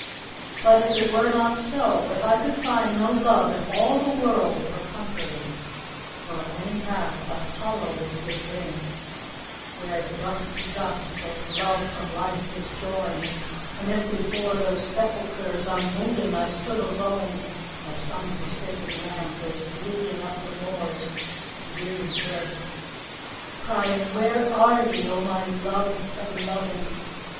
But if it were not so, — if I could find No love in all the world for comforting, Nor any path but hollowly did ring, Where "dust to dust"the love from life disjoined And if before those sepulchres unmoving I stood alone (as some forsaken lamb Goes bleating up the moors in weary dearth), Crying, " Where are ye, O my loved and loving?"